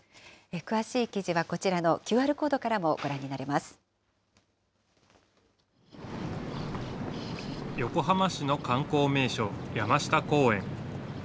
詳しい記事はこちらのＱＲコード横浜市の観光名所、山下公園。